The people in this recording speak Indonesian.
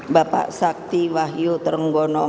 bapak sakti wahyu terenggono menteri perhubungan